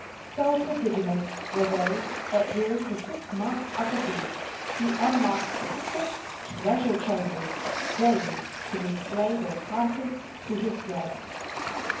So prodigious were they that during the six months of the feast he unlocked six treasure chambers daily to display their contents to his guests.